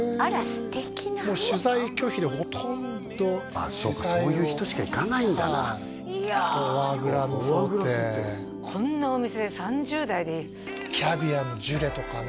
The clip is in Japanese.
素敵なもう取材拒否でほとんど取材をそういう人しか行かないんだないやフォアグラのソテーこんなお店で３０代でキャビアのジュレとかね